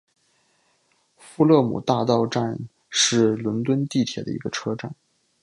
富勒姆大道站是伦敦地铁的一个车站。